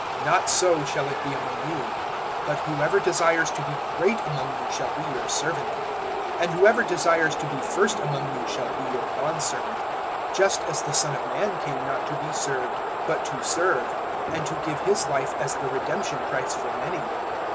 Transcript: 020:026 Not so shall it be among you; but whoever desires to be great among you shall be your servant, 020:027 and whoever desires to be first among you shall be your bondservant; 020:028 just as the Son of Man came not to be served but to serve, and to give His life as the redemption price for many."